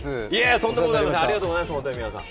とんでもございませんありがとうございます、皆さん。